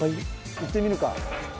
行ってみるか。